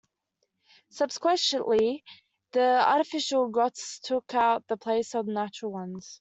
Subsequently, artificial grottoes took the place of natural ones.